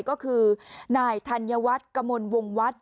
ก็คือนายธัญวัฒน์กระมวลวงวัฒน์